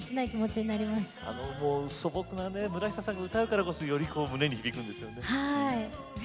あのもう素朴なね村下さんが歌うからこそより胸に響くんですよね。